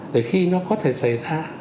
để khi nó có thể xảy ra